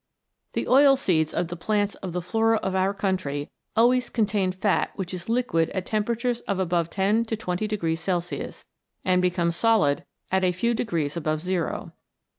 The oil seeds of the plants of the flora of our country always contain fat which is liquid at temperatures of above 10 to 20 degrees Celsius, and becomes solid at a few degrees above zero.